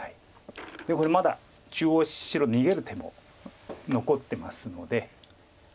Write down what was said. これまだ中央白逃げる手も残ってますので。